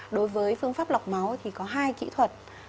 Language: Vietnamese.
đối với phương pháp lọc máu thì có hai kỹ thuật